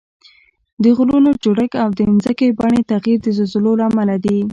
د غرونو جوړښت او د ځمکې د بڼې تغییر د زلزلو له امله دي